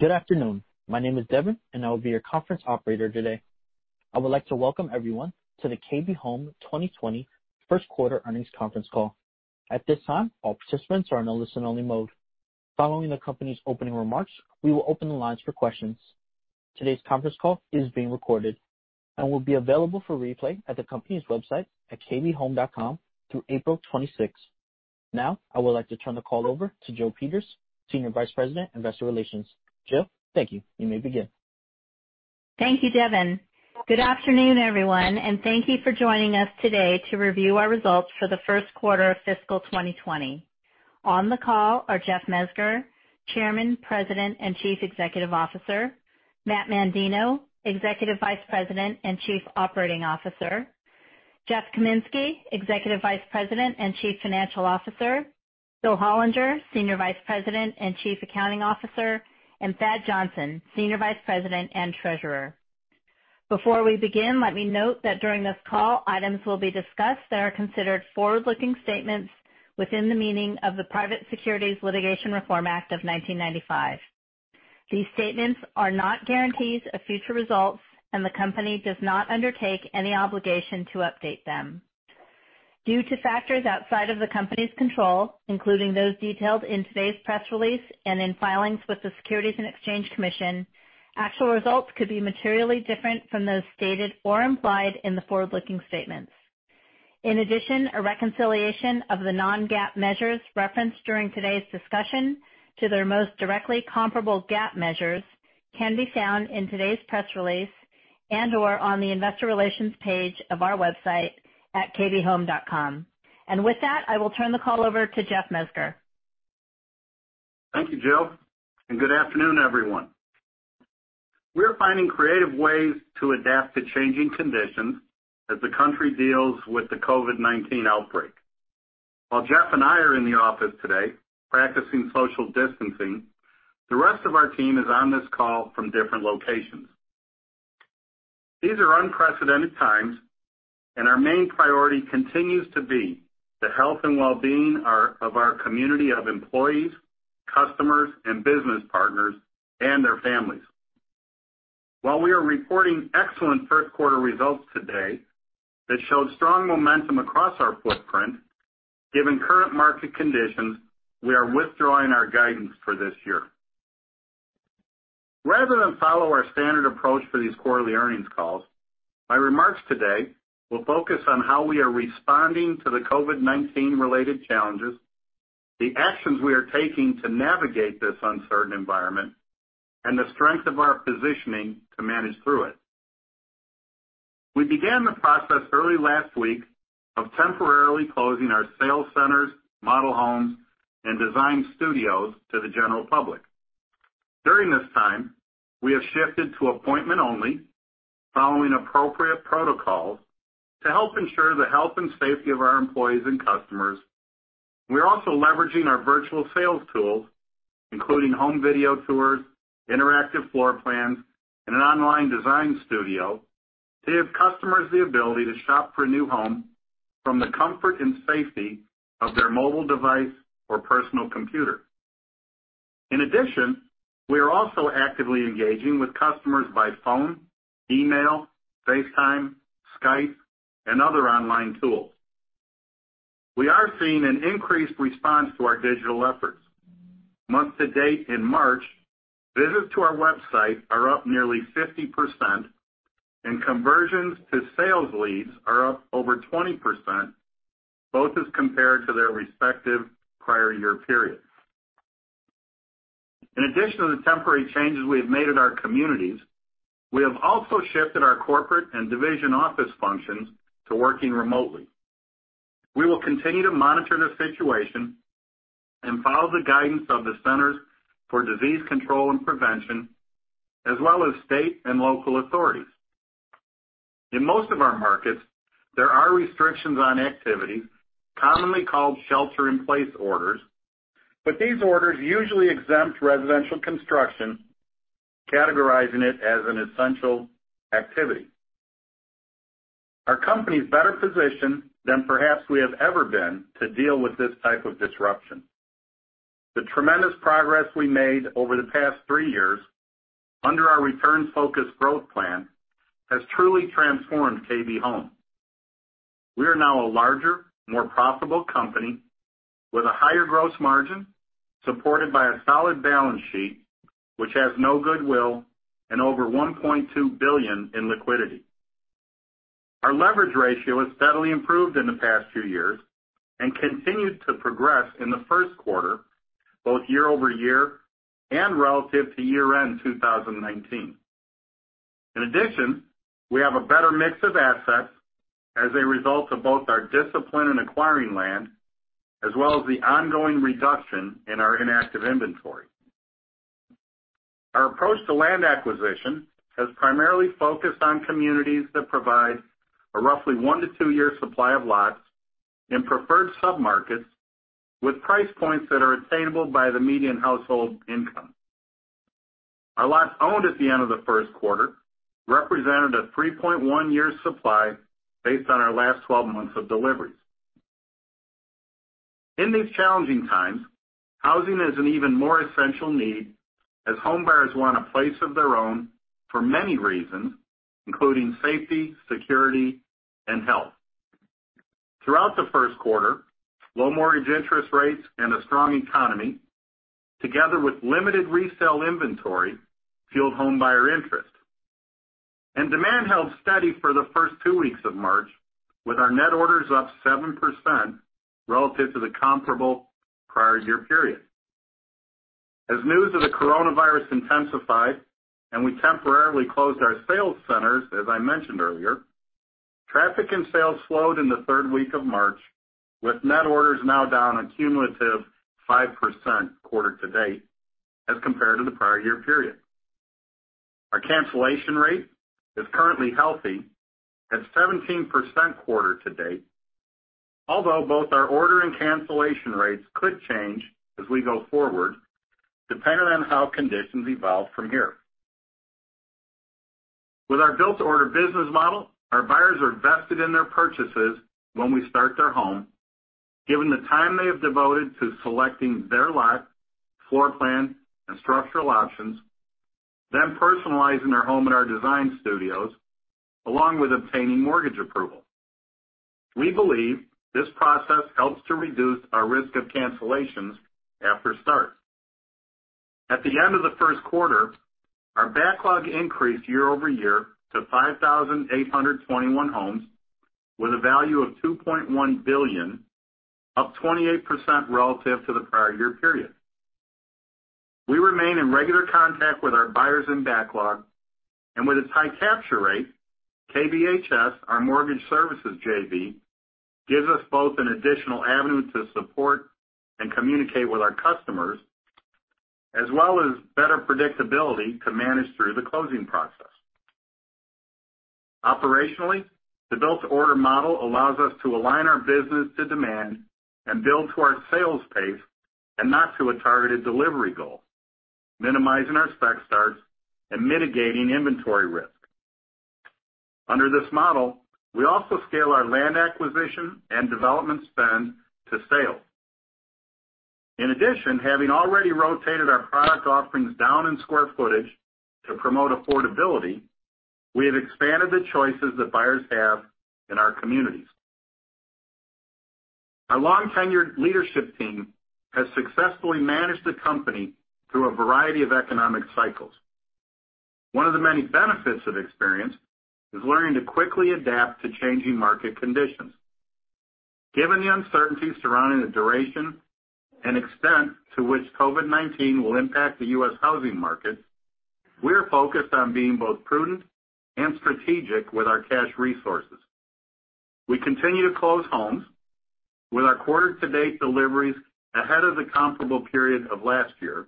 wGood afternoon. My name is Devin, and I will be your conference operator today. I would like to welcome everyone to the KB Home 2020 First Quarter Earnings Conference Call. At this time, all participants are in a listen-only mode. Following the company's opening remarks, we will open the lines for questions. Today's conference call is being recorded and will be available for replay at the company's website at kbhome.com through April 26th. Now, I would like to turn the call over to Jill Peters, Senior Vice President, Investor Relations. Jill, thank you. You may begin. Thank you, Devin. Good afternoon, everyone, and thank you for joining us today to review our results for the first quarter of fiscal 2020. On the call are Jeff Mezger, Chairman, President, and Chief Executive Officer. Matt Mandino, Executive Vice President and Chief Operating Officer. Jeff Kaminski, Executive Vice President and Chief Financial Officer. Will Hollinger, Senior Vice President and Chief Accounting Officer and Thad Johnson, Senior Vice President and Treasurer. Before we begin, let me note that during this call, items will be discussed that are considered forward-looking statements within the meaning of the Private Securities Litigation Reform Act of 1995. These statements are not guarantees of future results, and the company does not undertake any obligation to update them. Due to factors outside of the company's control, including those detailed in today's press release and in filings with the Securities and Exchange Commission, actual results could be materially different from those stated or implied in the forward-looking statements. In addition, a reconciliation of the non-GAAP measures referenced during today's discussion to their most directly comparable GAAP measures can be found in today's press release and/or on the Investor Relations page of our website at kbhome.com. And with that, I will turn the call over to Jeff Mezger. Thank you, Jill, and good afternoon, everyone. We're finding creative ways to adapt to changing conditions as the country deals with the COVID-19 outbreak. While Jeff and I are in the office today practicing social distancing, the rest of our team is on this call from different locations. These are unprecedented times, and our main priority continues to be the health and well-being of our community of employees, customers, and business partners, and their families. While we are reporting excellent first quarter results today that showed strong momentum across our footprint, given current market conditions, we are withdrawing our guidance for this year. Rather than follow our standard approach for these quarterly earnings calls, my remarks today will focus on how we are responding to the COVID-19 related challenges, the actions we are taking to navigate this uncertain environment, and the strength of our positioning to manage through it. We began the process early last week of temporarily closing our sales centers, model homes, and Design Studios to the general public. During this time, we have shifted to appointment only, following appropriate protocols to help ensure the health and safety of our employees and customers. We're also leveraging our virtual sales tools, including home video tours, interactive floor plans, and Online Design Studio, to give customers the ability to shop for a new home from the comfort and safety of their mobile device or personal computer. In addition, we are also actively engaging with customers by phone, email, FaceTime, Skype, and other online tools. We are seeing an increased response to our digital efforts. Month-to-date, in March, visits to our website are up nearly 50%, and conversions to sales leads are up over 20%, both as compared to their respective prior year period. In addition to the temporary changes we have made in our communities, we have also shifted our corporate and division office functions to working remotely. We will continue to monitor the situation and follow the guidance of the Centers for Disease Control and Prevention, as well as state and local authorities. In most of our markets, there are restrictions on activities, commonly called shelter-in-place orders, but these orders usually exempt residential construction, categorizing it as an essential activity. Our company is better positioned than perhaps we have ever been to deal with this type of disruption. The tremendous progress we made over the past three years under our Returns-Focused Growth Plan has truly transformed KB Home. We are now a larger, more profitable company with a higher gross margin, supported by a solid balance sheet, which has no goodwill, and over $1.2 billion in liquidity. Our leverage ratio has steadily improved in the past few years and continued to progress in the first quarter, both year-over-year and relative to year-end 2019. In addition, we have a better mix of assets as a result of both our discipline in acquiring land, as well as the ongoing reduction in our inactive inventory. Our approach to land acquisition has primarily focused on communities that provide a roughly one to two-year supply of lots in preferred submarkets with price points that are attainable by the median household income. Our lots owned at the end of the first quarter represented a 3.1-year supply based on our last 12 months of deliveries. In these challenging times, housing is an even more essential need as homebuyers want a place of their own for many reasons, including safety, security, and health. Throughout the first quarter, low mortgage interest rates and a strong economy, together with limited resale inventory, fueled homebuyer interest. And demand held steady for the first two weeks of March, with our net orders up 7% relative to the comparable prior year period. As news of the coronavirus intensified and we temporarily closed our sales centers, as I mentioned earlier, traffic and sales slowed in the third week of March, with net orders now down a cumulative 5% quarter to date as compared to the prior year period. Our cancellation rate is currently healthy at 17% quarter to date, although both our order and cancellation rates could change as we go forward, depending on how conditions evolve from here. With our Built-to-Order business model, our buyers are vested in their purchases when we start their home, given the time they have devoted to selecting their lot, floor plan, and structural options, then personalizing their home in our Design Studios, along with obtaining mortgage approval. We believe this process helps to reduce our risk of cancellations after start. At the end of the first quarter, our backlog increased year-over-year to 5,821 homes with a value of $2.1 billion, up 28% relative to the prior year period. We remain in regular contact with our buyers in backlog, and with its high capture rate, KBHS, our mortgage services JV, gives us both an additional avenue to support and communicate with our customers, as well as better predictability to manage through the closing process. Operationally, the Built-to-Order model allows us to align our business to demand and build to our sales pace and not to a targeted delivery goal, minimizing our spec starts and mitigating inventory risk. Under this model, we also scale our land acquisition and development spend to sales. In addition, having already rotated our product offerings down in square footage to promote affordability, we have expanded the choices that buyers have in our communities. Our long-tenured leadership team has successfully managed the company through a variety of economic cycles. One of the many benefits of experience is learning to quickly adapt to changing market conditions. Given the uncertainty surrounding the duration and extent to which COVID-19 will impact the U.S. housing market, we are focused on being both prudent and strategic with our cash resources. We continue to close homes with our quarter-to-date deliveries ahead of the comparable period of last year,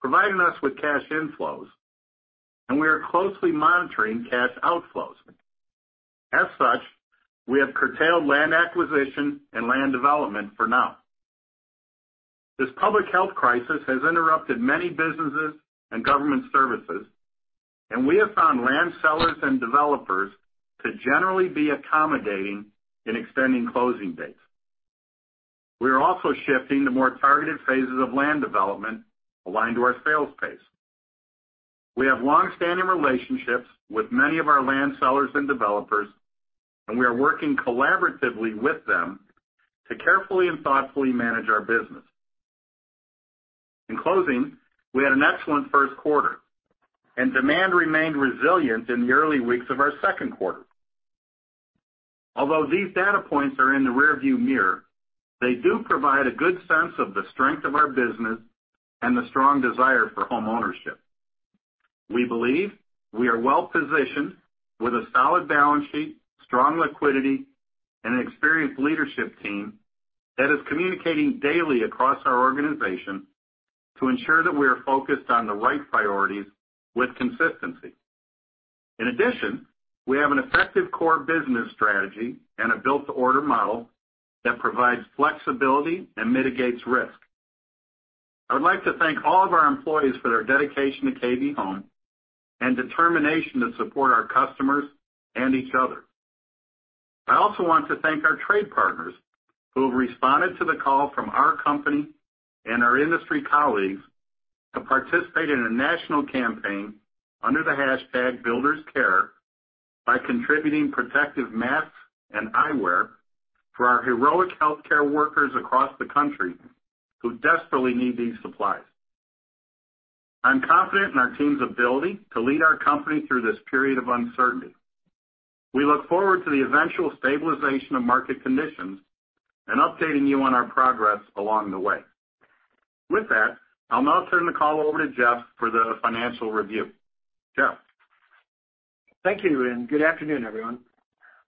providing us with cash inflows, and we are closely monitoring cash outflows. As such, we have curtailed land acquisition and land development for now. This public health crisis has interrupted many businesses and government services, and we have found land sellers and developers to generally be accommodating in extending closing dates. We are also shifting to more targeted phases of land development aligned to our sales pace. We have long-standing relationships with many of our land sellers and developers, and we are working collaboratively with them to carefully and thoughtfully manage our business. In closing, we had an excellent first quarter, and demand remained resilient in the early weeks of our second quarter. Although these data points are in the rearview mirror, they do provide a good sense of the strength of our business and the strong desire for homeownership. We believe we are well-positioned with a solid balance sheet, strong liquidity, and an experienced leadership team that is communicating daily across our organization to ensure that we are focused on the right priorities with consistency. In addition, we have an effective core business strategy and a Built-to-Order model that provides flexibility and mitigates risk. I would like to thank all of our employees for their dedication to KB Home and determination to support our customers and each other. I also want to thank our trade partners who have responded to the call from our company and our industry colleagues to participate in a national campaign under the hashtag #BuildersCare by contributing protective masks and eyewear for our heroic healthcare workers across the country who desperately need these supplies. I'm confident in our team's ability to lead our company through this period of uncertainty. We look forward to the eventual stabilization of market conditions and updating you on our progress along the way. With that, I'll now turn the call over to Jeff for the financial review. Jeff. Thank you, and good afternoon, everyone.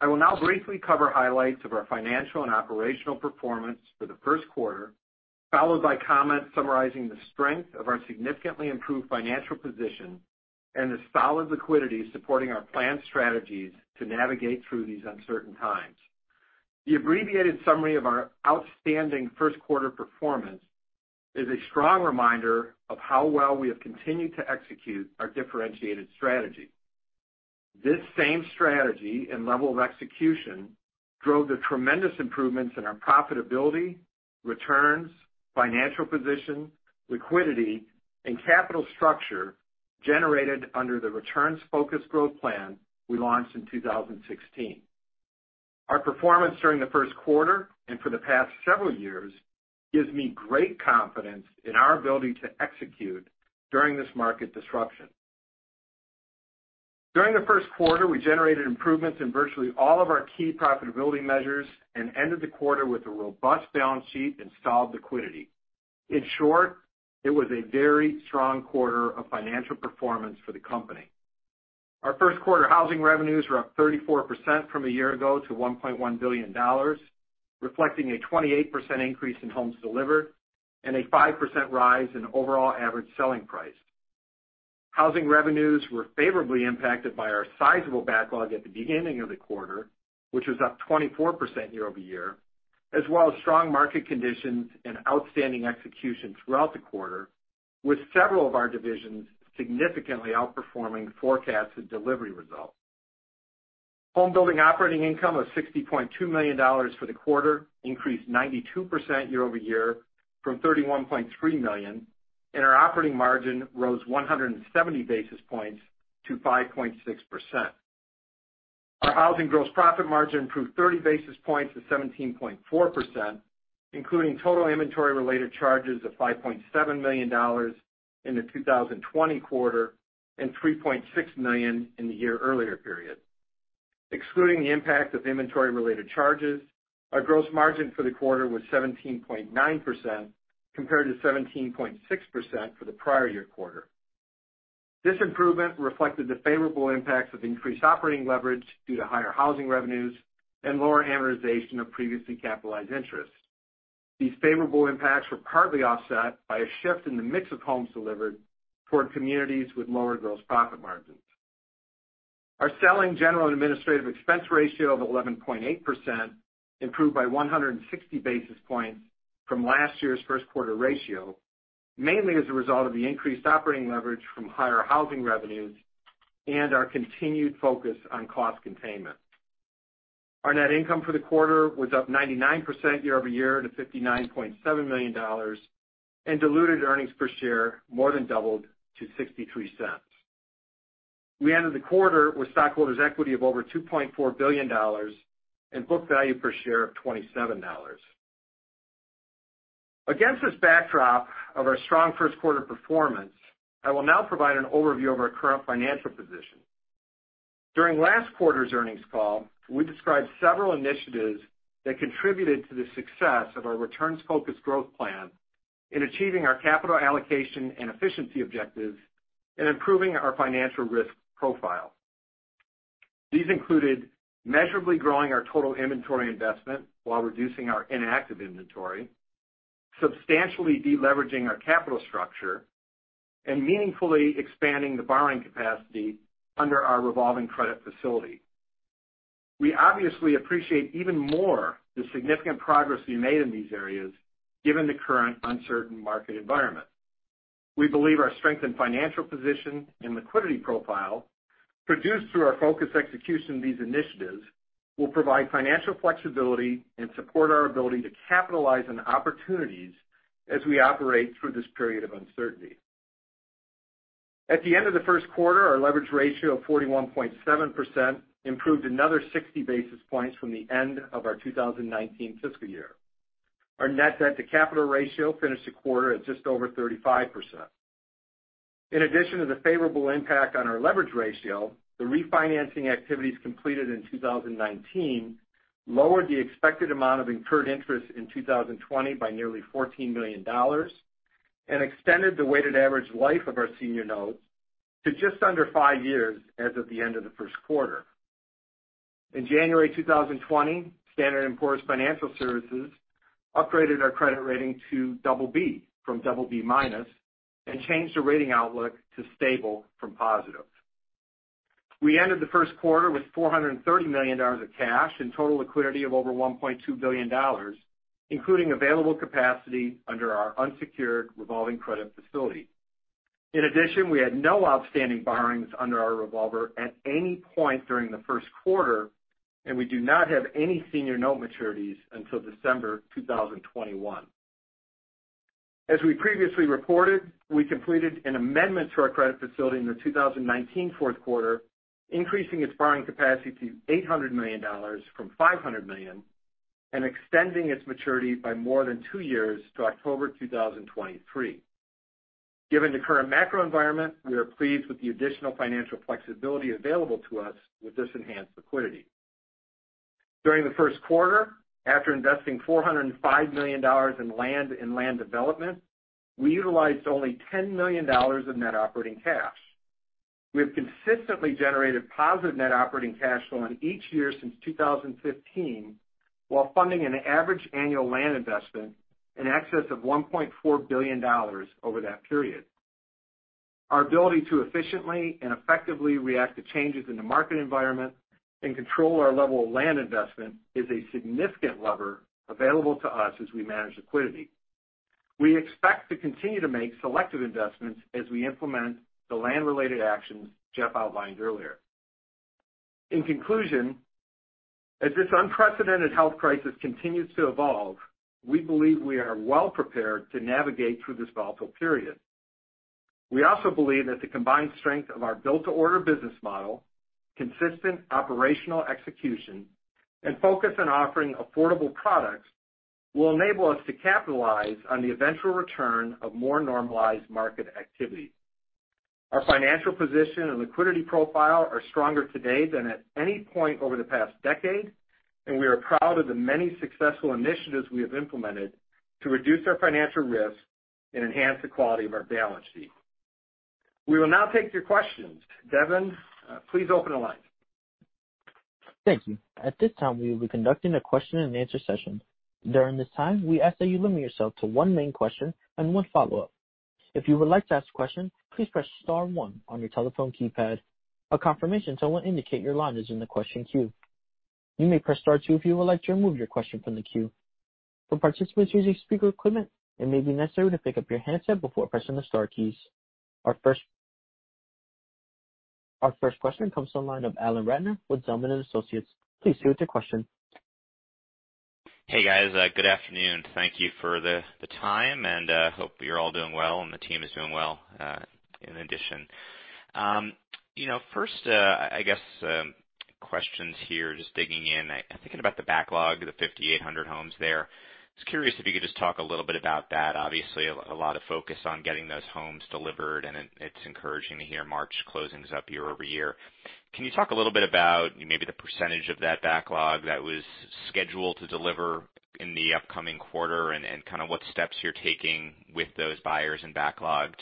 I will now briefly cover highlights of our financial and operational performance for the first quarter, followed by comments summarizing the strength of our significantly improved financial position and the solid liquidity supporting our planned strategies to navigate through these uncertain times. The abbreviated summary of our outstanding first quarter performance is a strong reminder of how well we have continued to execute our differentiated strategy. This same strategy and level of execution drove the tremendous improvements in our profitability, returns, financial position, liquidity, and capital structure generated under the Returns-Focused Growth Plan we launched in 2016. Our performance during the first quarter and for the past several years gives me great confidence in our ability to execute during this market disruption. During the first quarter, we generated improvements in virtually all of our key profitability measures and ended the quarter with a robust balance sheet and solid liquidity. In short, it was a very strong quarter of financial performance for the company. Our first quarter housing revenues were up 34% from a year ago to $1.1 billion, reflecting a 28% increase in homes delivered and a 5% rise in overall average selling price. Housing revenues were favorably impacted by our sizable backlog at the beginning of the quarter, which was up 24% year-over-year, as well as strong market conditions and outstanding execution throughout the quarter, with several of our divisions significantly outperforming forecasted delivery results. Homebuilding operating income of $60.2 million for the quarter increased 92% year-over-year from $31.3 million, and our operating margin rose 170 basis points to 5.6%. Our housing gross profit margin improved 30 basis points to 17.4%, including total inventory-related charges of $5.7 million in the 2020 quarter and $3.6 million in the year earlier period. Excluding the impact of inventory-related charges, our gross margin for the quarter was 17.9% compared to 17.6% for the prior year quarter. This improvement reflected the favorable impacts of increased operating leverage due to higher housing revenues and lower amortization of previously capitalized interest. These favorable impacts were partly offset by a shift in the mix of homes delivered toward communities with lower gross profit margins. Our selling, general, and administrative expense ratio of 11.8% improved by 160 basis points from last year's first quarter ratio, mainly as a result of the increased operating leverage from higher housing revenues and our continued focus on cost containment. Our net income for the quarter was up 99% year-over-year to $59.7 million, and diluted earnings per share more than doubled to $0.63. We ended the quarter with stockholders' equity of over $2.4 billion and book value per share of $27. Against this backdrop of our strong first quarter performance, I will now provide an overview of our current financial position. During last quarter's earnings call, we described several initiatives that contributed to the success of our Returns-Focused Growth Plan in achieving our capital allocation and efficiency objectives and improving our financial risk profile. These included measurably growing our total inventory investment while reducing our inactive inventory, substantially deleveraging our capital structure, and meaningfully expanding the borrowing capacity under our revolving credit facility. We obviously appreciate even more the significant progress we made in these areas given the current uncertain market environment. We believe our strengthened financial position and liquidity profile produced through our focused execution of these initiatives will provide financial flexibility and support our ability to capitalize on opportunities as we operate through this period of uncertainty. At the end of the first quarter, our leverage ratio of 41.7% improved another 60 basis points from the end of our 2019 fiscal year. Our net debt-to-capital ratio finished the quarter at just over 35%. In addition to the favorable impact on our leverage ratio, the refinancing activities completed in 2019 lowered the expected amount of incurred interest in 2020 by nearly $14 million and extended the weighted average life of our senior notes to just under five years as of the end of the first quarter. In January 2020, Standard & Poor's Financial Services upgraded our credit rating to BB from BB minus and changed the rating outlook to stable from positive. We ended the first quarter with $430 million of cash and total liquidity of over $1.2 billion, including available capacity under our unsecured revolving credit facility. In addition, we had no outstanding borrowings under our revolver at any point during the first quarter, and we do not have any senior note maturities until December 2021. As we previously reported, we completed an amendment to our credit facility in the 2019 fourth quarter, increasing its borrowing capacity to $800 million from $500 million and extending its maturity by more than two years to October 2023. Given the current macro environment, we are pleased with the additional financial flexibility available to us with this enhanced liquidity. During the first quarter, after investing $405 million in land and land development, we utilized only $10 million of net operating cash. We have consistently generated positive net operating cash flow in each year since 2015 while funding an average annual land investment in excess of $1.4 billion over that period. Our ability to efficiently and effectively react to changes in the market environment and control our level of land investment is a significant lever available to us as we manage liquidity. We expect to continue to make selective investments as we implement the land-related actions Jeff outlined earlier. In conclusion, as this unprecedented health crisis continues to evolve, we believe we are well-prepared to navigate through this volatile period. We also believe that the combined strength of our Built-to-Order business model, consistent operational execution, and focus on offering affordable products will enable us to capitalize on the eventual return of more normalized market activity. Our financial position and liquidity profile are stronger today than at any point over the past decade, and we are proud of the many successful initiatives we have implemented to reduce our financial risk and enhance the quality of our balance sheet. We will now take your questions. Devin, please open the line. Thank you. At this time, we will be conducting a question-and-answer session. During this time, we ask that you limit yourself to one main question and one follow-up. If you would like to ask a question, please press star one on your telephone keypad. A confirmation tone will indicate your line is in the question queue. You may press star two if you would like to remove your question from the queue. For participants using speaker equipment, it may be necessary to pick up your handset before pressing the star keys. Our first question comes from the line of Alan Ratner with Zelman & Associates. Please state your question. Hey, guys. Good afternoon. Thank you for the time, and I hope you're all doing well and the team is doing well in addition. First, I guess questions here, just digging in. Thinking about the backlog, the 5,800 homes there, I was curious if you could just talk a little bit about that. Obviously, a lot of focus on getting those homes delivered, and it's encouraging to hear March closings up year-over-year. Can you talk a little bit about maybe the percentage of that backlog that was scheduled to deliver in the upcoming quarter and kind of what steps you're taking with those buyers in backlog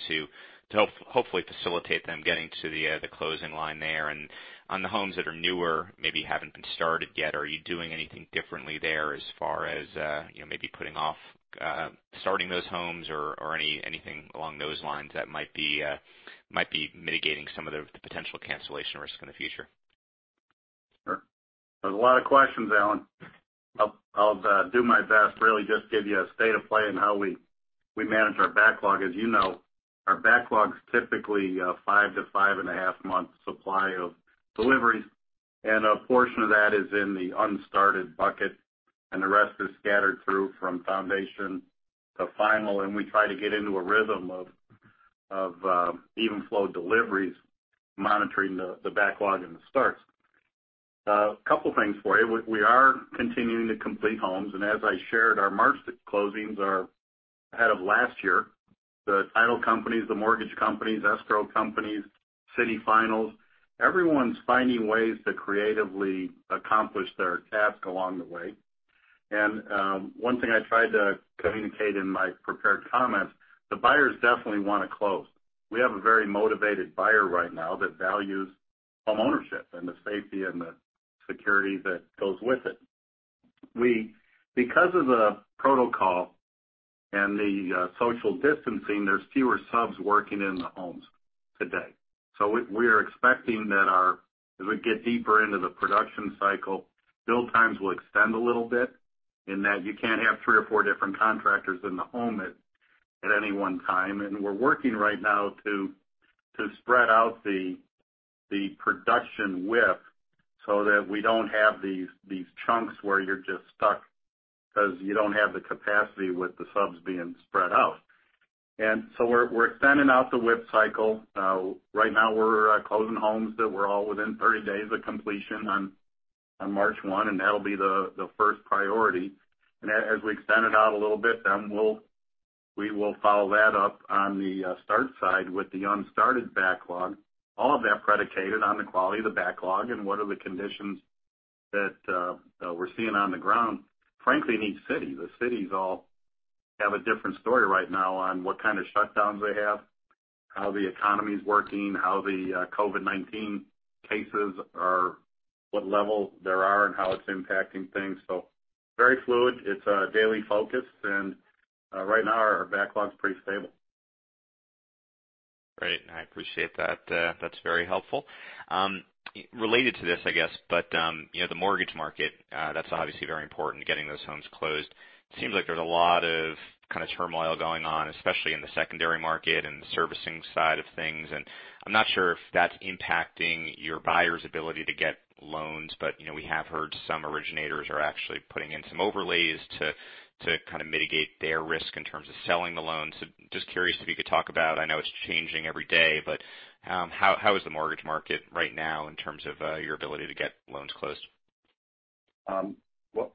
to hopefully facilitate them getting to the closing line there? On the homes that are newer, maybe haven't been started yet, are you doing anything differently there as far as maybe starting those homes or anything along those lines that might be mitigating some of the potential cancellation risk in the future? Sure. There's a lot of questions, Alan. I'll do my best, really, just to give you a state of play in how we manage our backlog. As you know, our backlog's typically a five to five and a half month supply of deliveries, and a portion of that is in the unstarted bucket, and the rest is scattered through from foundation to final. And we try to get into a rhythm of even flow deliveries, monitoring the backlog and the starts. A couple of things for you. We are continuing to complete homes, and as I shared, our March closings are ahead of last year. The title companies, the mortgage companies, escrow companies, city finals, everyone's finding ways to creatively accomplish their task along the way. And one thing I tried to communicate in my prepared comments, the buyers definitely want to close. We have a very motivated buyer right now that values homeownership and the safety and the security that goes with it. Because of the protocol and the social distancing, there's fewer subs working in the homes today. So we are expecting that as we get deeper into the production cycle, build times will extend a little bit in that you can't have three or four different contractors in the home at any one time. And we're working right now to spread out the production WIP so that we don't have these chunks where you're just stuck because you don't have the capacity with the subs being spread out. And so we're extending out the WIP cycle. Right now, we're closing homes that were all within 30 days of completion on March 1, and that'll be the first priority. As we extend it out a little bit, we will follow that up on the start side with the unstarted backlog. All of that predicated on the quality of the backlog and what are the conditions that we're seeing on the ground, frankly, in each city. The cities all have a different story right now on what kind of shutdowns they have, how the economy's working, how the COVID-19 cases are what level they're on, how it's impacting things. Very fluid. It's a daily focus, and right now, our backlog's pretty stable. Great. I appreciate that. That's very helpful. Related to this, I guess, but the mortgage market, that's obviously very important, getting those homes closed. It seems like there's a lot of kind of turmoil going on, especially in the secondary market and the servicing side of things, and I'm not sure if that's impacting your buyers' ability to get loans, but we have heard some originators are actually putting in some overlays to kind of mitigate their risk in terms of selling the loans. Just curious if you could talk about, I know it's changing every day, but how is the mortgage market right now in terms of your ability to get loans closed?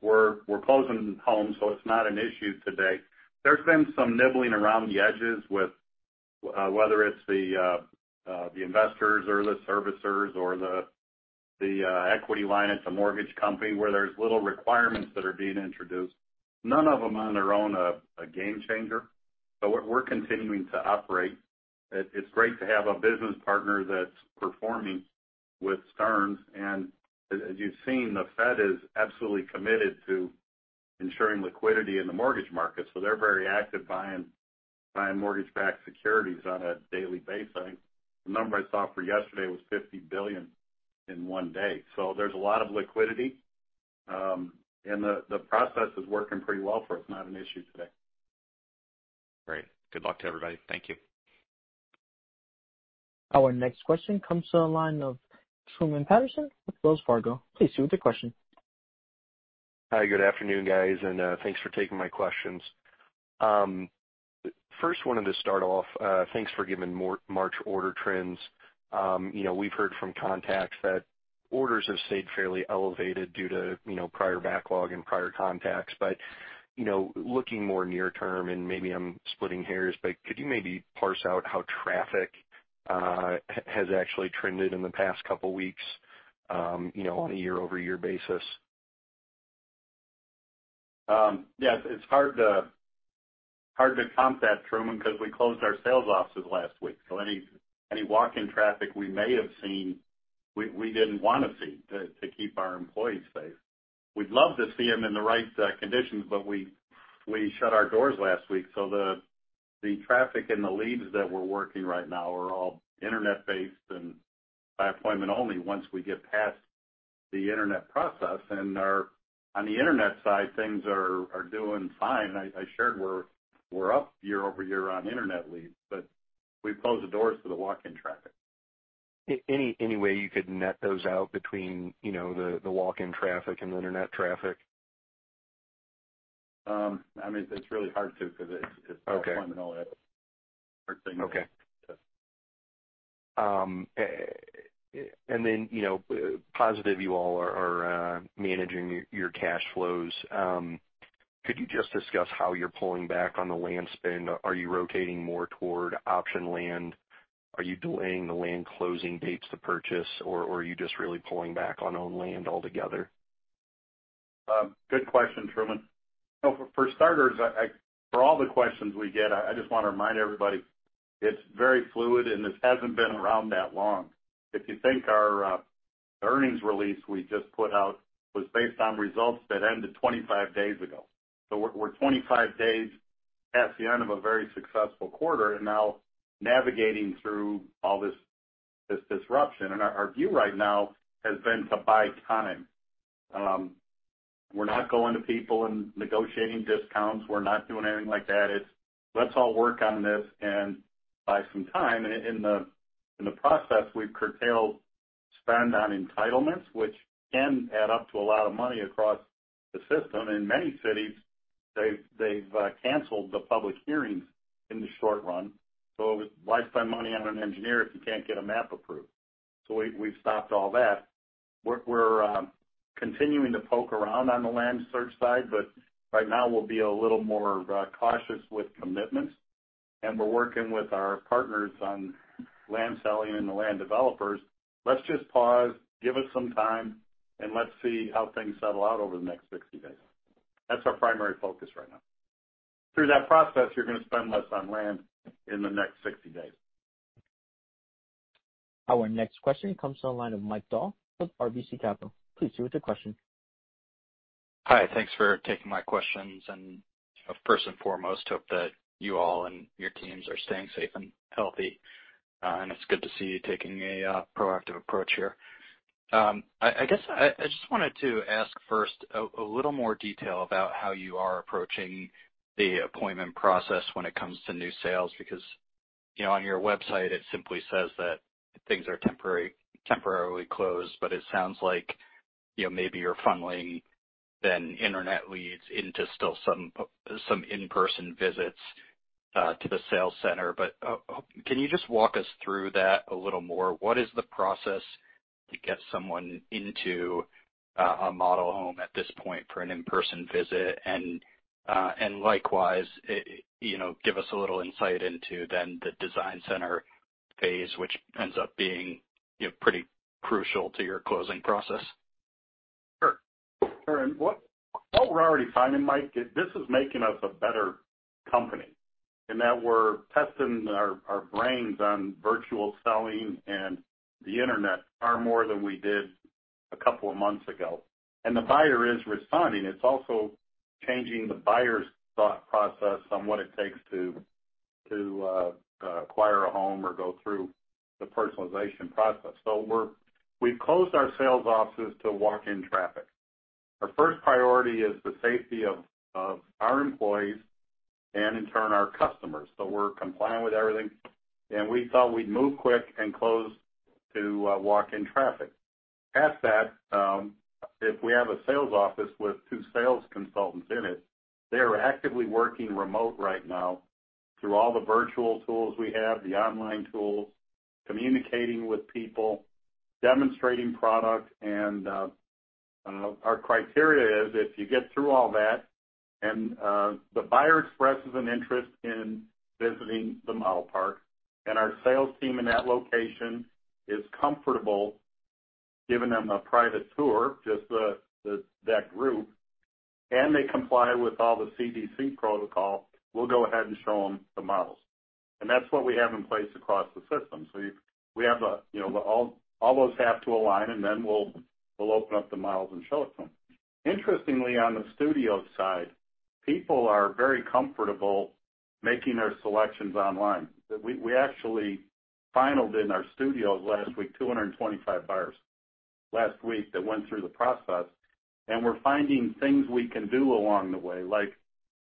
We're closing homes, so it's not an issue today. There's been some nibbling around the edges with whether it's the investors or the servicers or the equity line at the mortgage company where there's little requirements that are being introduced. None of them on their own are a game changer. So we're continuing to operate. It's great to have a business partner that's performing with Stearns. And as you've seen, the Fed is absolutely committed to ensuring liquidity in the mortgage market. So they're very active buying mortgage-backed securities on a daily basis. The number I saw for yesterday was $50 billion in one day. So there's a lot of liquidity, and the process is working pretty well for us. It's not an issue today. Great. Good luck to everybody. Thank you. Our next question comes from the line of Truman Patterson with Wells Fargo. Please state your question. Hi. Good afternoon, guys, and thanks for taking my questions. First, wanted to start off, thanks for giving March order trends. We've heard from contacts that orders have stayed fairly elevated due to prior backlog and prior contacts. But looking more near-term, and maybe I'm splitting hairs, but could you maybe parse out how traffic has actually trended in the past couple of weeks on a year-over-year basis? Yeah. It's hard to comp that, Truman, because we closed our sales offices last week. So any walk-in traffic we may have seen, we didn't want to see to keep our employees safe. We'd love to see them in the right conditions, but we shut our doors last week. So the traffic and the leads that we're working right now are all internet-based and by appointment only once we get past the internet process. And on the internet side, things are doing fine. I shared we're up year-over-year on internet leads, but we've closed the doors to the walk-in traffic. Any way you could net those out between the walk-in traffic and the internet traffic? I mean, it's really hard to because it's uncommon all that. It's a hard thing to. And then, positive, you all are managing your cash flows. Could you just discuss how you're pulling back on the land spend? Are you rotating more toward option land? Are you delaying the land closing dates to purchase, or are you just really pulling back on own land altogether? Good question, Truman. For starters, for all the questions we get, I just want to remind everybody it's very fluid, and this hasn't been around that long. If you think our earnings release we just put out was based on results that ended 25 days ago. So we're 25 days past the end of a very successful quarter and now navigating through all this disruption. And our view right now has been to buy time. We're not going to people and negotiating discounts. We're not doing anything like that. Let's all work on this and buy some time. In the process, we've curtailed spend on entitlements, which can add up to a lot of money across the system. In many cities, they've canceled the public hearings in the short run. So it was wasting money on an engineer if you can't get a map approved. So we've stopped all that. We're continuing to poke around on the land search side, but right now, we'll be a little more cautious with commitments, and we're working with our partners on land sourcing and the land developers. Let's just pause, give us some time, and let's see how things settle out over the next 60 days. That's our primary focus right now. Through that process, you're going to spend less on land in the next 60 days. Our next question comes from the line of Mike Dahl with RBC Capital. Please state your question. Hi. Thanks for taking my questions. And first and foremost, hope that you all and your teams are staying safe and healthy. And it's good to see you taking a proactive approach here. I guess I just wanted to ask first a little more detail about how you are approaching the appointment process when it comes to new sales, because on your website, it simply says that things are temporarily closed, but it sounds like maybe you're funneling the internet leads into still some in-person visits to the sales center. But can you just walk us through that a little more? What is the process to get someone into a model home at this point for an in-person visit? And likewise, give us a little insight into then the design center phase, which ends up being pretty crucial to your closing process. Sure. And what we're already finding, Mike, is this is making us a better company in that we're testing our brains on virtual selling and the internet far more than we did a couple of months ago. And the buyer is responding. It's also changing the buyer's thought process on what it takes to acquire a home or go through the personalization process. So we've closed our sales offices to walk-in traffic. Our first priority is the safety of our employees and, in turn, our customers. So we're complying with everything. And we thought we'd move quick and close to walk-in traffic. Past that, if we have a sales office with two sales consultants in it, they're actively working remote right now through all the virtual tools we have, the online tools, communicating with people, demonstrating product. And our criteria is if you get through all that and the buyer expresses an interest in visiting the model park, and our sales team in that location is comfortable giving them a private tour, just that group, and they comply with all the CDC protocol, we'll go ahead and show them the models. And that's what we have in place across the system. So all those have to align, and then we'll open up the models and show it to them. Interestingly, on the studio side, people are very comfortable making their selections online. We actually finalized in our studios last week 225 buyers that went through the process. We're finding things we can do along the way, like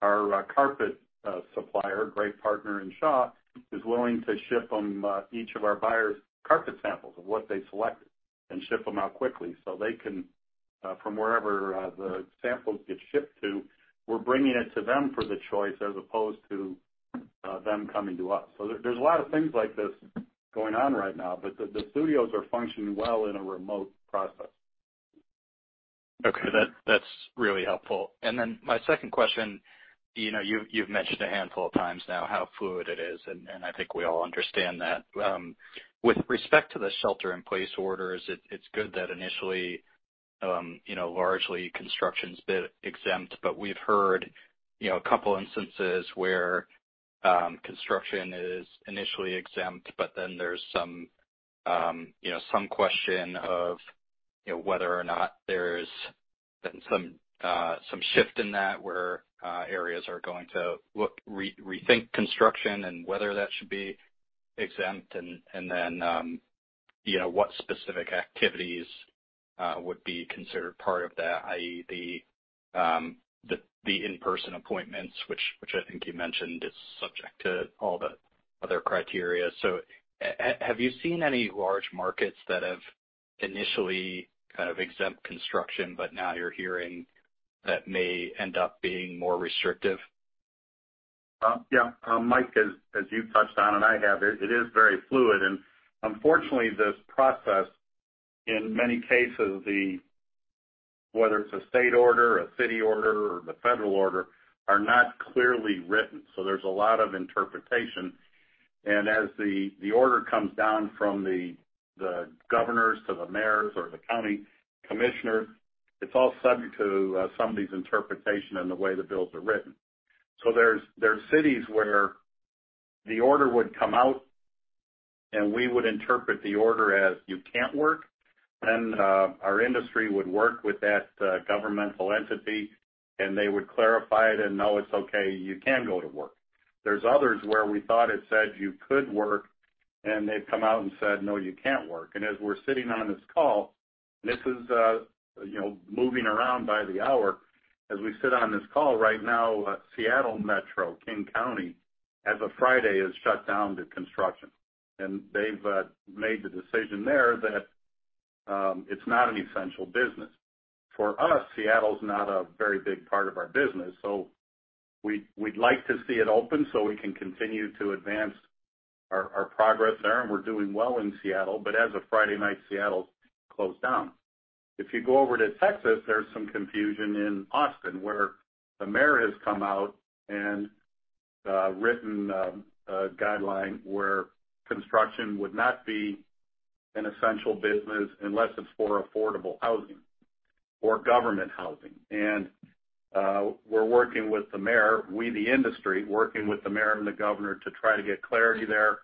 our carpet supplier, a great partner in Shaw, is willing to ship them each of our buyers carpet samples of what they selected and ship them out quickly so they can, from wherever the samples get shipped to, we're bringing it to them for the choice as opposed to them coming to us. There's a lot of things like this going on right now, but the studios are functioning well in a remote process. Okay. That's really helpful. And then my second question, you've mentioned a handful of times now how fluid it is, and I think we all understand that. With respect to the shelter-in-place orders, it's good that initially largely construction's been exempt, but we've heard a couple of instances where construction is initially exempt, but then there's some question of whether or not there's been some shift in that where areas are going to rethink construction and whether that should be exempt, and then what specific activities would be considered part of that, i.e., the in-person appointments, which I think you mentioned is subject to all the other criteria. So have you seen any large markets that have initially kind of exempt construction, but now you're hearing that may end up being more restrictive? Yeah. Mike, as you've touched on, and I have, it is very fluid. And unfortunately, this process, in many cases, whether it's a state order, a city order, or the federal order, are not clearly written. So there's a lot of interpretation. And as the order comes down from the governors to the mayors or the county commissioners, it's all subject to somebody's interpretation and the way the bills are written. So there are cities where the order would come out, and we would interpret the order as, "You can't work." Then our industry would work with that governmental entity, and they would clarify it and, "No, it's okay. You can go to work." There's others where we thought it said, "You could work," and they've come out and said, "No, you can't work." And as we're sitting on this call, this is moving around by the hour. As we sit on this call right now, Seattle Metro, King County, as of Friday, is shut down to construction, and they've made the decision there that it's not an essential business. For us, Seattle's not a very big part of our business, so we'd like to see it open so we can continue to advance our progress there, and we're doing well in Seattle, but as of Friday night, Seattle's closed down. If you go over to Texas, there's some confusion in Austin where the mayor has come out and written a guideline where construction would not be an essential business unless it's for affordable housing or government housing, and we're working with the mayor, we, the industry, working with the mayor and the governor to try to get clarity there.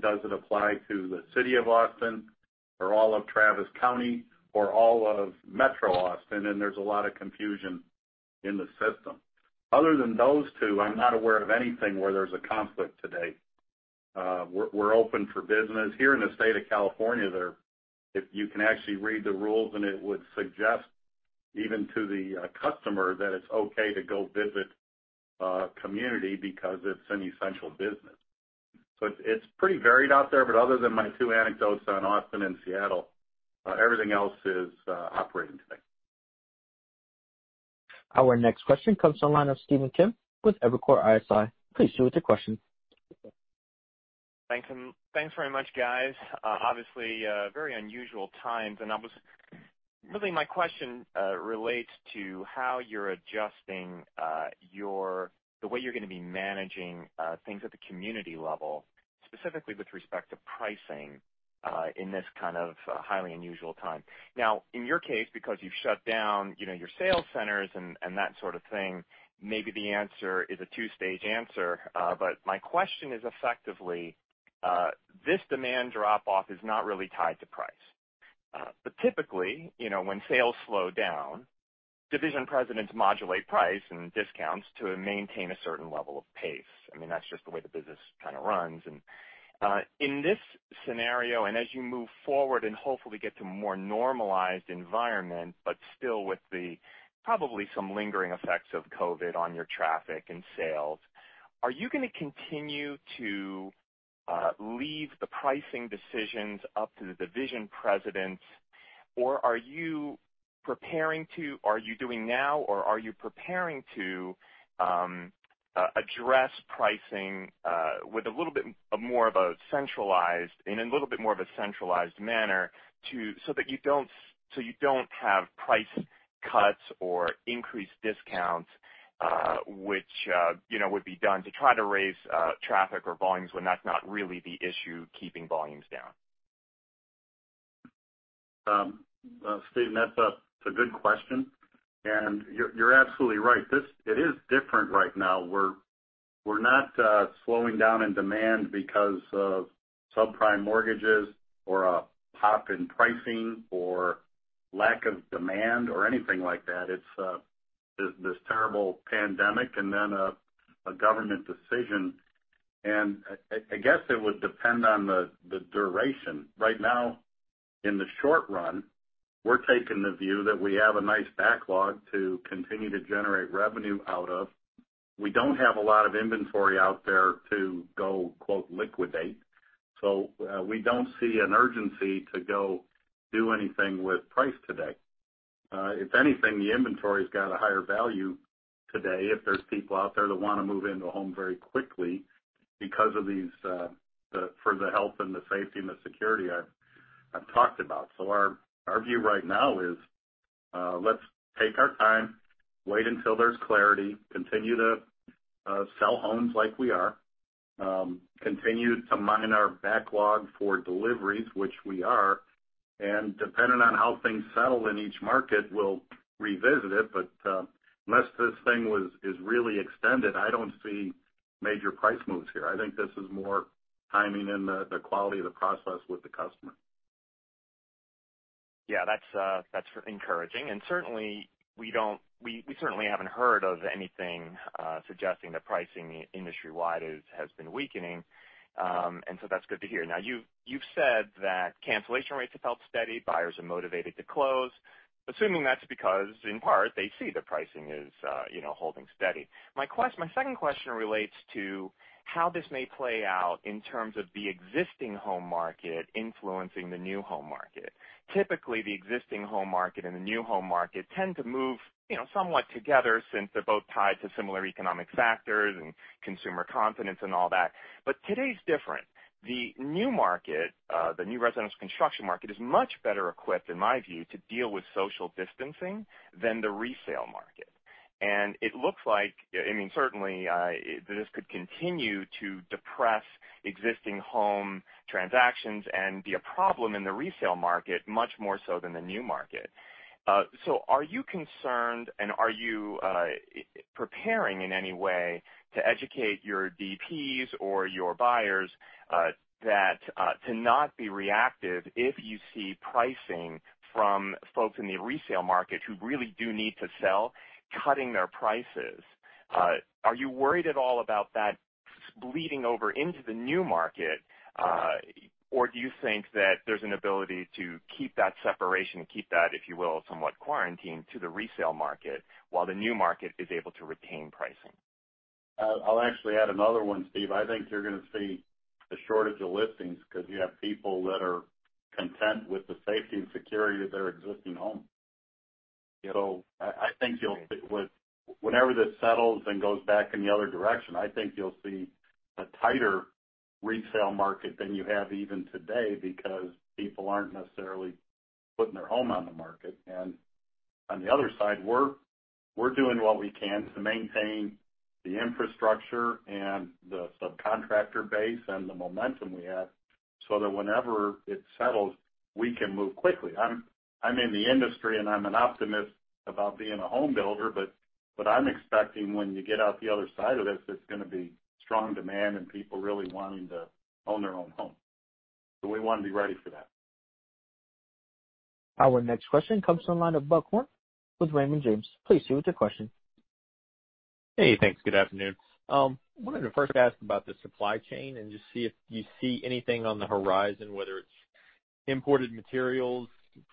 Does it apply to the city of Austin or all of Travis County or all of Metro Austin? There's a lot of confusion in the system. Other than those two, I'm not aware of anything where there's a conflict today. We're open for business. Here in the state of California, if you can actually read the rules, and it would suggest even to the customer that it's okay to go visit community because it's an essential business. It's pretty varied out there. Other than my two anecdotes on Austin and Seattle, everything else is operating today. Our next question comes from the line of Stephen Kim with Evercore ISI. Please state your question. Thanks very much, guys. Obviously, very unusual times, and really, my question relates to how you're adjusting the way you're going to be managing things at the community level, specifically with respect to pricing in this kind of highly unusual time. Now, in your case, because you've shut down your sales centers and that sort of thing, maybe the answer is a two-stage answer, but my question is effectively, this demand drop-off is not really tied to price. Typically, when sales slow down, division presidents modulate price and discounts to maintain a certain level of pace. I mean, that's just the way the business kind of runs. In this scenario, and as you move forward and hopefully get to a more normalized environment, but still with probably some lingering effects of COVID on your traffic and sales, are you going to continue to leave the pricing decisions up to the division presidents, or are you doing now, or are you preparing to address pricing in a little bit more of a centralized manner so that you don't have price cuts or increased discounts which would be done to try to raise traffic or volumes when that's not really the issue keeping volumes down? Stephen, that's a good question. And you're absolutely right. It is different right now. We're not slowing down in demand because of subprime mortgages or a pop in pricing or lack of demand or anything like that. It's this terrible pandemic and then a government decision. And I guess it would depend on the duration. Right now, in the short run, we're taking the view that we have a nice backlog to continue to generate revenue out of. We don't have a lot of inventory out there to go "liquidate." So we don't see an urgency to go do anything with price today. If anything, the inventory has got a higher value today if there's people out there that want to move into a home very quickly because of these-for the health and the safety and the security I've talked about. So our view right now is let's take our time, wait until there's clarity, continue to sell homes like we are, continue to mine our backlog for deliveries, which we are. And depending on how things settle in each market, we'll revisit it. But unless this thing is really extended, I don't see major price moves here. I think this is more timing and the quality of the process with the customer. Yeah. That's encouraging. And certainly, we haven't heard of anything suggesting that pricing industry-wide has been weakening. And so that's good to hear. Now, you've said that cancellation rates have held steady. Buyers are motivated to close. Assuming that's because, in part, they see the pricing is holding steady. My second question relates to how this may play out in terms of the existing home market influencing the new home market. Typically, the existing home market and the new home market tend to move somewhat together since they're both tied to similar economic factors and consumer confidence and all that. But today's different. The new market, the new residential construction market, is much better equipped, in my view, to deal with social distancing than the resale market. It looks like, I mean, certainly, this could continue to depress existing home transactions and be a problem in the resale market, much more so than the new market. Are you concerned, and are you preparing in any way to educate your DPs or your buyers to not be reactive if you see pricing from folks in the resale market who really do need to sell cutting their prices? Are you worried at all about that bleeding over into the new market, or do you think that there's an ability to keep that separation and keep that, if you will, somewhat quarantined to the resale market while the new market is able to retain pricing? I'll actually add another one, Steve. I think you're going to see a shortage of listings because you have people that are content with the safety and security of their existing home, so I think whenever this settles and goes back in the other direction, I think you'll see a tighter resale market than you have even today because people aren't necessarily putting their home on the market, and on the other side, we're doing what we can to maintain the infrastructure and the subcontractor base and the momentum we have so that whenever it settles, we can move quickly. I'm in the industry, and I'm an optimist about being a home builder, but I'm expecting when you get out the other side of this, it's going to be strong demand and people really wanting to own their own home, so we want to be ready for that. Our next question comes from the line of Buck Horne with Raymond James. Please state your question. Hey, thanks. Good afternoon. I wanted to first ask about the supply chain and just see if you see anything on the horizon, whether it's imported materials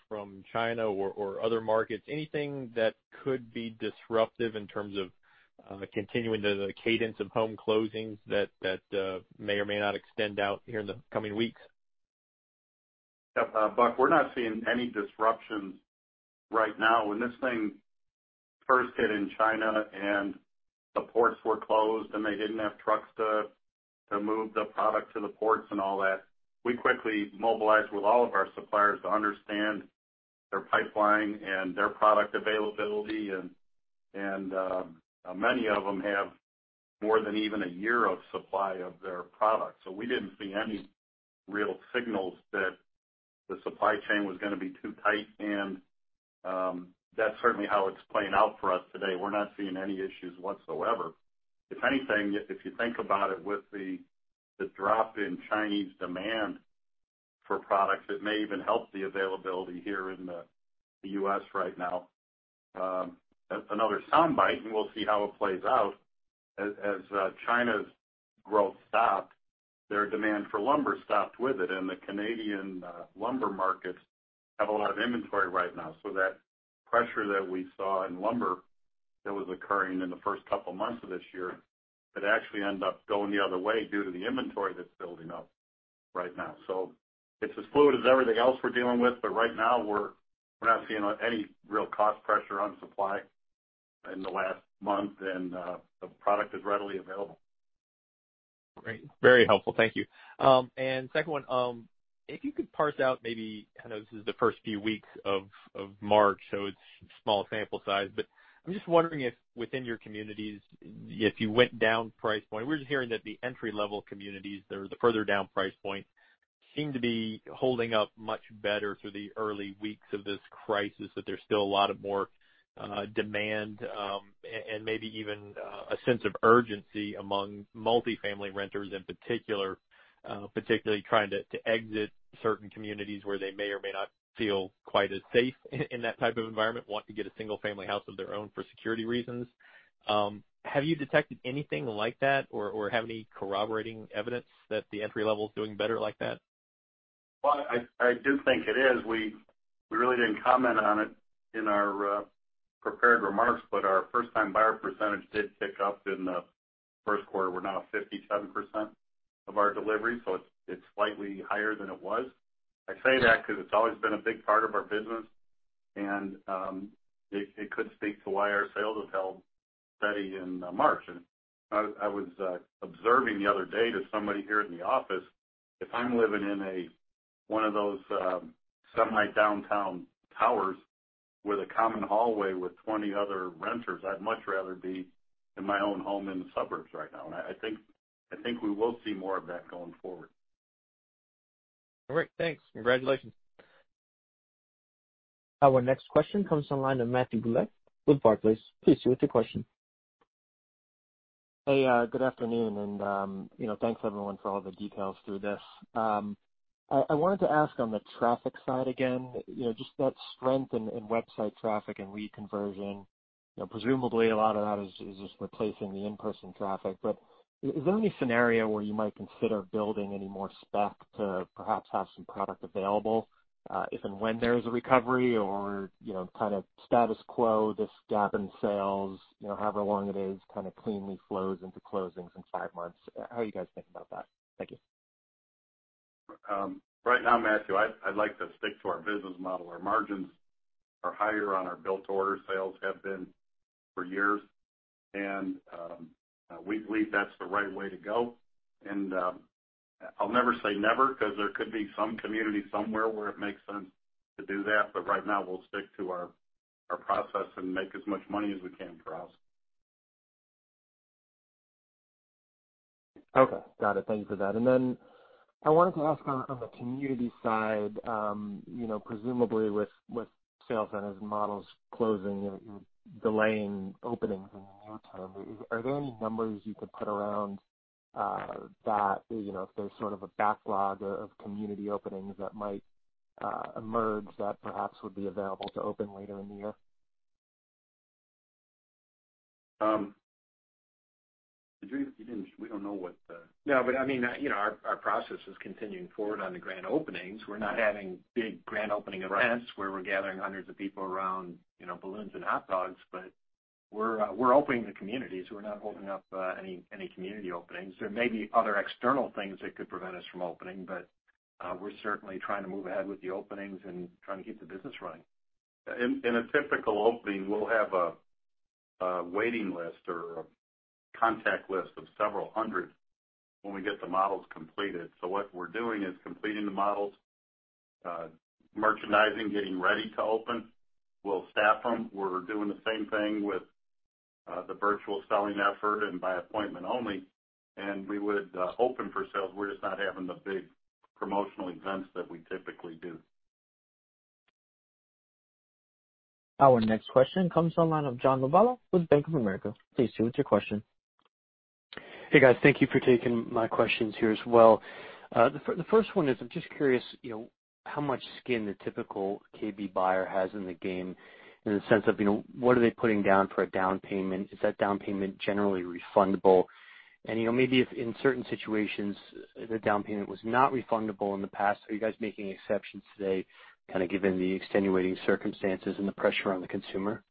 from China or other markets, anything that could be disruptive in terms of continuing the cadence of home closings that may or may not extend out here in the coming weeks? Yep. Buck, we're not seeing any disruptions right now. When this thing first hit in China and the ports were closed and they didn't have trucks to move the product to the ports and all that, we quickly mobilized with all of our suppliers to understand their pipeline and their product availability. And many of them have more than even a year of supply of their product. So we didn't see any real signals that the supply chain was going to be too tight. And that's certainly how it's playing out for us today. We're not seeing any issues whatsoever. If anything, if you think about it with the drop in Chinese demand for products, it may even help the availability here in the U.S. right now. Another soundbite, and we'll see how it plays out. As China's growth stopped, their demand for lumber stopped with it. And the Canadian lumber markets have a lot of inventory right now. So that pressure that we saw in lumber that was occurring in the first couple of months of this year could actually end up going the other way due to the inventory that's building up right now. So it's as fluid as everything else we're dealing with. But right now, we're not seeing any real cost pressure on supply in the last month, and the product is readily available. Great. Very helpful. Thank you. And second one, if you could parse out maybe, I know this is the first few weeks of March, so it's small sample size. But I'm just wondering if within your communities, if you went down price point. We're just hearing that the entry-level communities, the further down price point, seem to be holding up much better through the early weeks of this crisis, that there's still a lot of more demand and maybe even a sense of urgency among multifamily renters in particular, particularly trying to exit certain communities where they may or may not feel quite as safe in that type of environment, want to get a single-family house of their own for security reasons. Have you detected anything like that, or have any corroborating evidence that the entry level is doing better like that? I do think it is. We really didn't comment on it in our prepared remarks, but our first-time buyer percentage did tick up in the first quarter. We're now at 57% of our deliveries, so it's slightly higher than it was. I say that because it's always been a big part of our business, and it could speak to why our sales have held steady in March, and I was observing the other day to somebody here in the office, if I'm living in one of those semi-downtown towers with a common hallway with 20 other renters, I'd much rather be in my own home in the suburbs right now, and I think we will see more of that going forward. All right. Thanks. Congratulations. Our next question comes from the line of Matthew Bouley with Barclays. Please state your question. Hey, good afternoon, and thanks, everyone, for all the details through this. I wanted to ask on the traffic side again, just that strength in website traffic and reconversion. Presumably, a lot of that is just replacing the in-person traffic. But is there any scenario where you might consider building any more spec to perhaps have some product available if and when there is a recovery or kind of status quo, this gap in sales, however long it is, kind of cleanly flows into closings in five months? How do you guys think about that? Thank you. Right now, Matthew, I'd like to stick to our business model. Our margins are higher on our Built-to-Order sales and have been for years. We believe that's the right way to go. I'll never say never because there could be some community somewhere where it makes sense to do that. But right now, we'll stick to our process and make as much money as we can for us. Okay. Got it. Thank you for that. And then I wanted to ask on the community side, presumably with sales centers and models closing, you're delaying openings in the near term. Are there any numbers you could put around that if there's sort of a backlog of community openings that might emerge that perhaps would be available to open later in the year? We don't know what the no, but I mean, our process is continuing forward on the grand openings. We're not having big grand opening events where we're gathering hundreds of people around balloons and hot dogs, but we're opening the communities. We're not holding up any community openings. There may be other external things that could prevent us from opening, but we're certainly trying to move ahead with the openings and trying to keep the business running. In a typical opening, we'll have a waiting list or a contact list of several hundred when we get the models completed, so what we're doing is completing the models, merchandising, getting ready to open. We'll staff them. We're doing the same thing with the virtual selling effort and by appointment only, and we would open for sales. We're just not having the big promotional events that we typically do. Our next question comes from the line of John Lovallo with Bank of America. Please state your question. Hey, guys. Thank you for taking my questions here as well. The first one is I'm just curious how much skin the typical KB buyer has in the game in the sense of what are they putting down for a down payment? Is that down payment generally refundable? And maybe if in certain situations the down payment was not refundable in the past, are you guys making exceptions today kind of given the extenuating circumstances and the pressure on the consumer?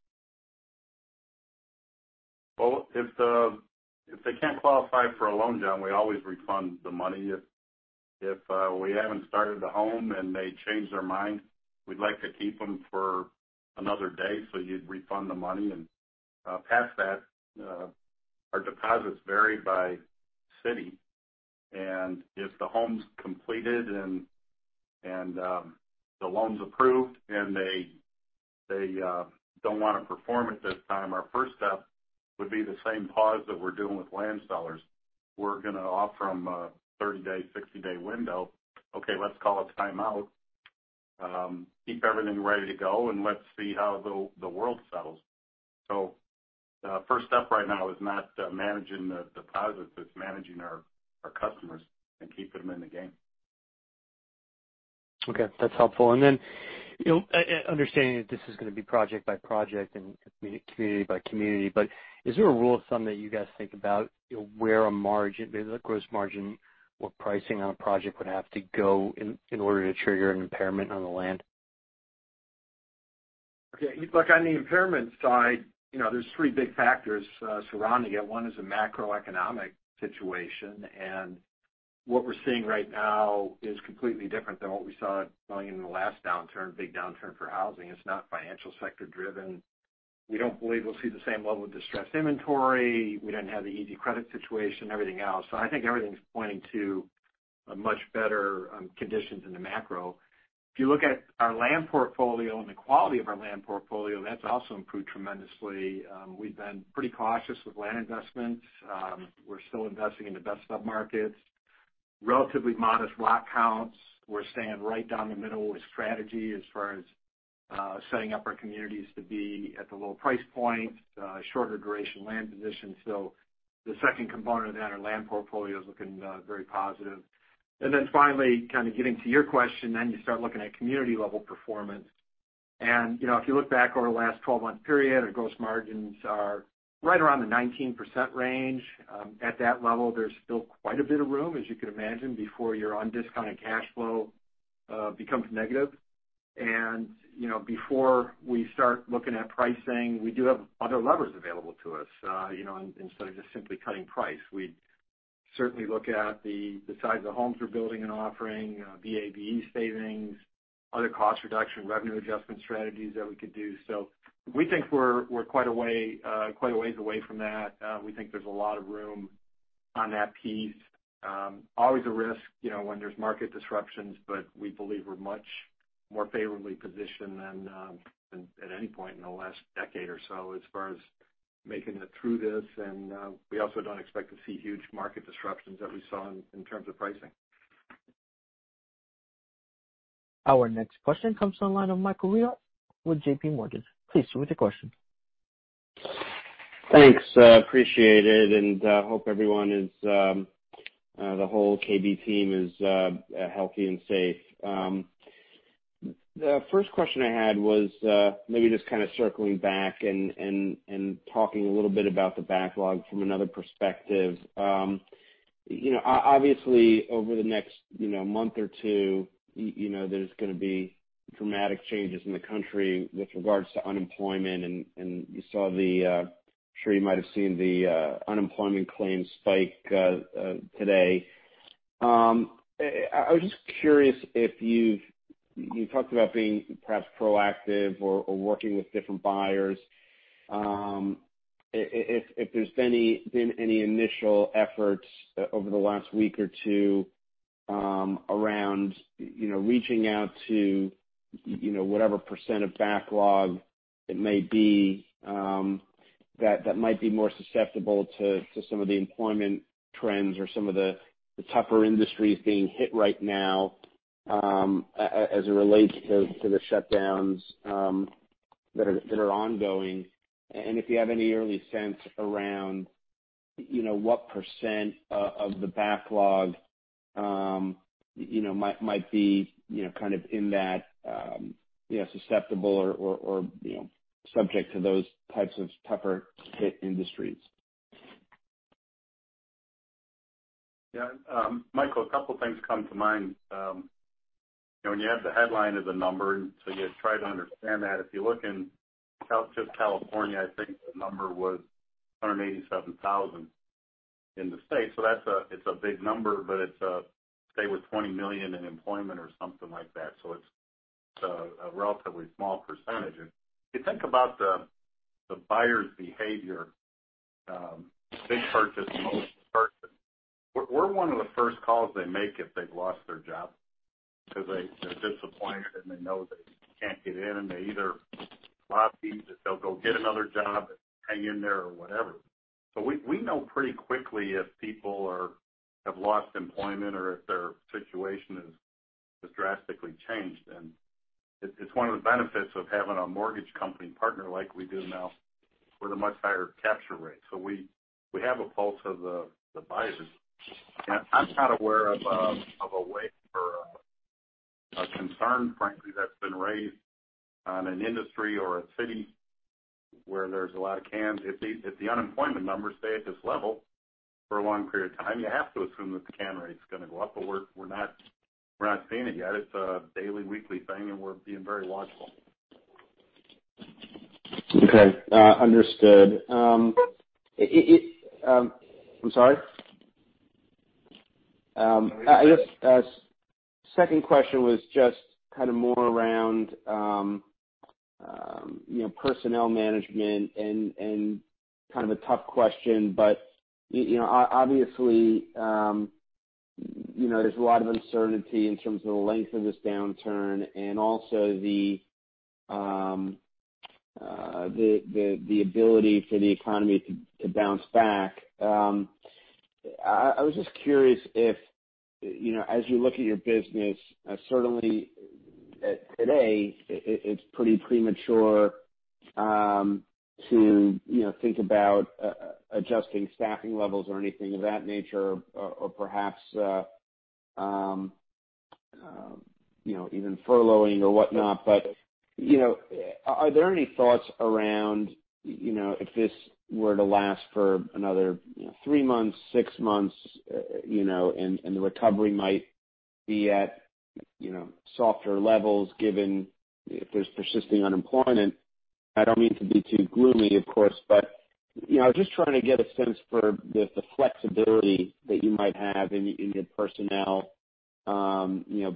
If they can't qualify for a loan, John, we always refund the money. If we haven't started the home and they change their mind, we'd like to keep them for another day so you'd refund the money. Past that, our deposits vary by city. If the home's completed and the loan's approved and they don't want to perform at this time, our first step would be the same pause that we're doing with land sellers. We're going to offer them a 30-day, 60-day window. Okay, let's call it timeout. Keep everything ready to go, and let's see how the world settles. The first step right now is not managing the deposits. It's managing our customers and keeping them in the game. Okay. That's helpful. And then understanding that this is going to be project by project and community by community, but is there a rule of thumb that you guys think about where a margin, maybe the gross margin or pricing on a project would have to go in order to trigger an impairment on the land? Okay. Look, on the impairment side, there's three big factors surrounding it. One is a macroeconomic situation, and what we're seeing right now is completely different than what we saw going in the last downturn, big downturn for housing. It's not financial sector driven. We don't believe we'll see the same level of distressed inventory. We didn't have the easy credit situation, everything else, so I think everything's pointing to much better conditions in the macro. If you look at our land portfolio and the quality of our land portfolio, that's also improved tremendously. We've been pretty cautious with land investments. We're still investing in the best submarkets. Relatively modest lot counts. We're staying right down the middle with strategy as far as setting up our communities to be at the low price point, shorter duration land positions. So the second component of that, our land portfolio is looking very positive. And then finally, kind of getting to your question, then you start looking at community-level performance. And if you look back over the last 12-month period, our gross margins are right around the 19% range. At that level, there's still quite a bit of room, as you can imagine, before your undiscounted cash flow becomes negative. And before we start looking at pricing, we do have other levers available to us. Instead of just simply cutting price, we'd certainly look at the size of the homes we're building and offering, VA/VE savings, other cost reduction, revenue adjustment strategies that we could do. So we think we're quite a ways away from that. We think there's a lot of room on that piece. Always a risk when there's market disruptions, but we believe we're much more favorably positioned than at any point in the last decade or so as far as making it through this, and we also don't expect to see huge market disruptions that we saw in terms of pricing. Our next question comes from the line of Michael Rehaut with JPMorgan. Please state your question. Thanks. Appreciate it. And hope everyone, the whole KB team, is healthy and safe. The first question I had was maybe just kind of circling back and talking a little bit about the backlog from another perspective. Obviously, over the next month or two, there's going to be dramatic changes in the country with regards to unemployment. And you saw. I'm sure you might have seen the unemployment claims spike today. I was just curious if you've talked about being perhaps proactive or working with different buyers. If there's been any initial efforts over the last week or two around reaching out to whatever percent of backlog it may be that might be more susceptible to some of the employment trends or some of the tougher industries being hit right now as it relates to the shutdowns that are ongoing. If you have any early sense around what percent of the backlog might be kind of in that susceptible or subject to those types of tougher-hit industries? Yeah. Michael, a couple of things come to mind. When you have the headline of the number, and so you try to understand that. If you look in just California, I think the number was 187,000 in the state. So it's a big number, but it's a state with 20 million in employment or something like that. So it's a relatively small percentage. If you think about the buyer's behavior, big purchase, most purchase, we're one of the first calls they make if they've lost their job because they're disappointed and they know they can't get in. And they either lobby that they'll go get another job and hang in there or whatever. So we know pretty quickly if people have lost employment or if their situation has drastically changed. And it's one of the benefits of having a mortgage company partner like we do now with a much higher capture rate. So we have a pulse of the buyers. And I'm not aware of a wave or a concern, frankly, that's been raised on an industry or a city where there's a lot of cans. If the unemployment numbers stay at this level for a long period of time, you have to assume that the can rate's going to go up. But we're not seeing it yet. It's a daily, weekly thing, and we're being very watchful. Okay. Understood. I'm sorry. I guess the second question was just kind of more around personnel management and kind of a tough question. But obviously, there's a lot of uncertainty in terms of the length of this downturn and also the ability for the economy to bounce back. I was just curious if, as you look at your business, certainly today, it's pretty premature to think about adjusting staffing levels or anything of that nature or perhaps even furloughing or whatnot. But are there any thoughts around if this were to last for another three months, six months, and the recovery might be at softer levels given if there's persisting unemployment? I don't mean to be too gloomy, of course, but I was just trying to get a sense for the flexibility that you might have in your personnel,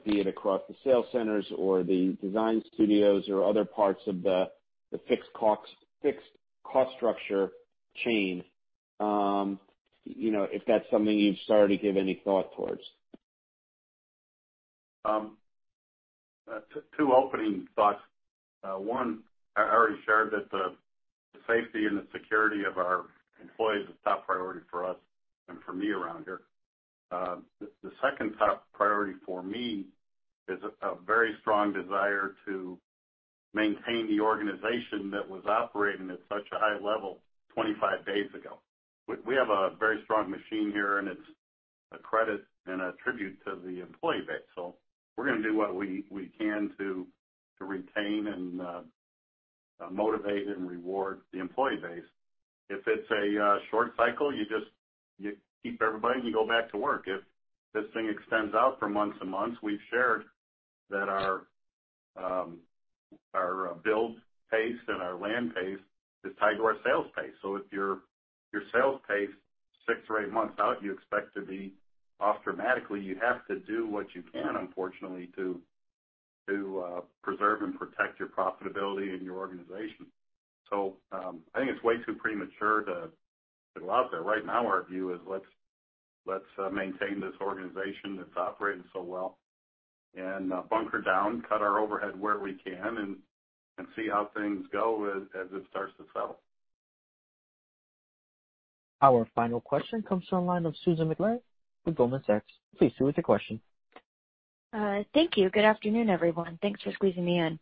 be it across the sales centers or the Design Studios or other parts of the fixed cost structure chain, if that's something you've started to give any thought towards. Two opening thoughts. One, I already shared that the safety and the security of our employees is a top priority for us and for me around here. The second top priority for me is a very strong desire to maintain the organization that was operating at such a high level 25 days ago. We have a very strong machine here, and it's a credit and a tribute to the employee base. So we're going to do what we can to retain and motivate and reward the employee base. If it's a short cycle, you just keep everybody and you go back to work. If this thing extends out for months and months, we've shared that our build pace and our land pace is tied to our sales pace. So if your sales pace six or eight months out, you expect to be off dramatically, you have to do what you can, unfortunately, to preserve and protect your profitability and your organization. So I think it's way too premature to go out there. Right now, our view is let's maintain this organization that's operating so well and bunker down, cut our overhead where we can, and see how things go as it starts to settle. Our final question comes from the line of Susan Maklari with Goldman Sachs. Please state your question. Thank you. Good afternoon, everyone. Thanks for squeezing me in.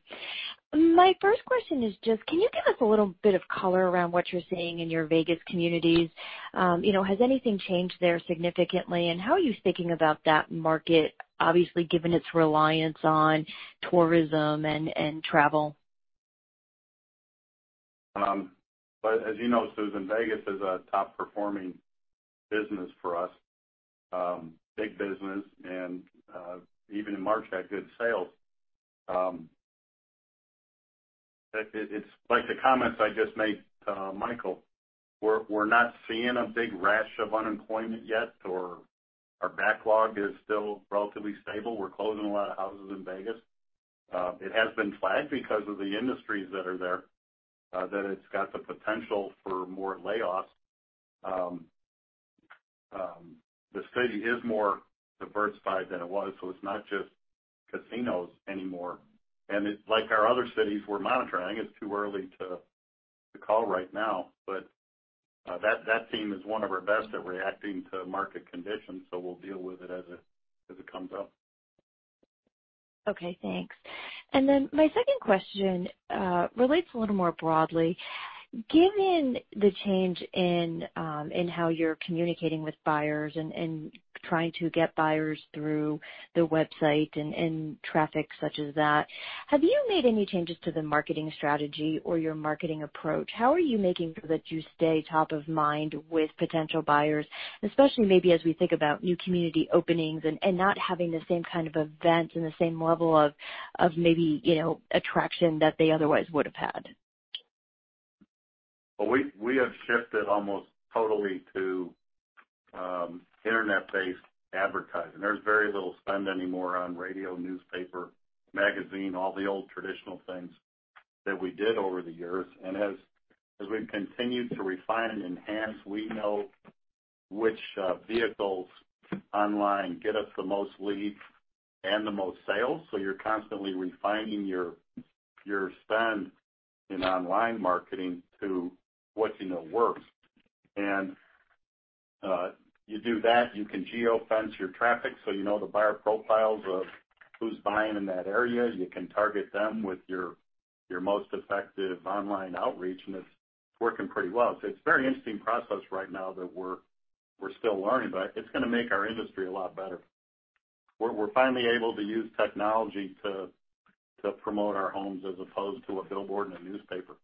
My first question is just, can you give us a little bit of color around what you're seeing in your Vegas communities? Has anything changed there significantly? And how are you thinking about that market, obviously, given its reliance on tourism and travel? As you know, Susan, Vegas is a top-performing business for us, big business, and even in March, had good sales. It's like the comments I just made, Michael. We're not seeing a big rash of unemployment yet, or our backlog is still relatively stable. We're closing a lot of houses in Vegas. It has been flagged because of the industries that are there, that it's got the potential for more layoffs. The city is more diversified than it was. It's not just casinos anymore. Like our other cities, we're monitoring. I think it's too early to call right now. That team is one of our best at reacting to market conditions. We'll deal with it as it comes up. Okay. Thanks. And then my second question relates a little more broadly. Given the change in how you're communicating with buyers and trying to get buyers through the website and traffic such as that, have you made any changes to the marketing strategy or your marketing approach? How are you making sure that you stay top of mind with potential buyers, especially maybe as we think about new community openings and not having the same kind of events and the same level of maybe attraction that they otherwise would have had? We have shifted almost totally to internet-based advertising. There's very little spend anymore on radio, newspaper, magazine, all the old traditional things that we did over the years. And as we've continued to refine and enhance, we know which vehicles online get us the most leads and the most sales. So you're constantly refining your spend in online marketing to what you know works. And you do that. You can geofence your traffic so you know the buyer profiles of who's buying in that area. You can target them with your most effective online outreach, and it's working pretty well. So it's a very interesting process right now that we're still learning, but it's going to make our industry a lot better. We're finally able to use technology to promote our homes as opposed to a billboard and a newspaper.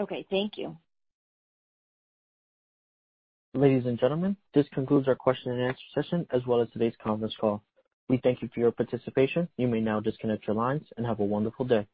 Okay. Thank you. Ladies and gentlemen, this concludes our question-and-answer session as well as today's conference call. We thank you for your participation. You may now disconnect your lines and have a wonderful day.